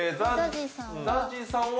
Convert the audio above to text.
ＺＡＺＹさんは。